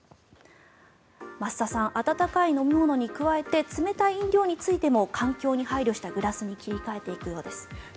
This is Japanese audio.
増田さん、温かい飲み物に加えて冷たい飲料についても環境に配慮したグラスに切り替えていくようです。